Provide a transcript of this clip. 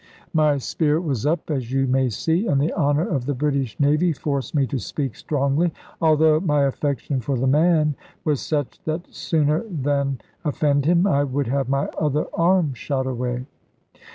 My spirit was up, as you may see; and the honour of the British Navy forced me to speak strongly: although my affection for the man was such that sooner than offend him, I would have my other arm shot away.